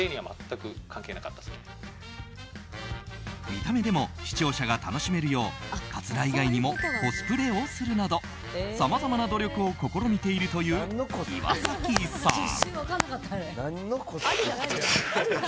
見た目でも視聴者が楽しめるようカツラ以外にもコスプレをするなどさまざまな努力を試みているという岩崎さん。